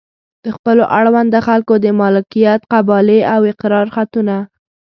د خپلو اړونده خلکو د مالکیت قبالې او اقرار خطونه.